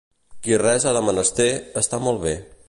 Qui res ha de menester, està molt bé.